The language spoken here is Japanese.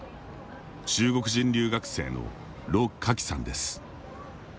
中国人留学生の盧家煕さんです。